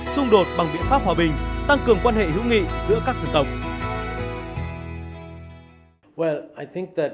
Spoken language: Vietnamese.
xung đột bằng biện pháp hòa bình tăng cường quan hệ hữu nghị giữa các dân tộc